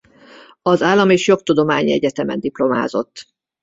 Az Állam-és Jogtudományi Egyetemen diplomázott.